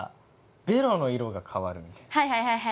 はいはいはいはい。